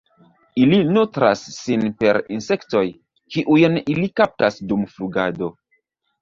Ili nutras sin per insektoj, kiujn ili kaptas dum flugado.